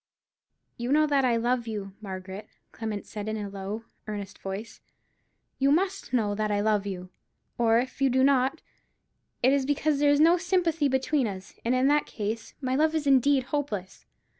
"You know that I love you, Margaret," Clement said, in a low, earnest voice; "you must know that I love you: or if you do not, it is because there is no sympathy between us, and in that case my love is indeed hopeless.